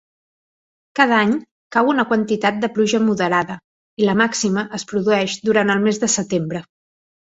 Cada any, cau una quantitat de pluja moderada, i la màxima es produeix durant el mes de setembre.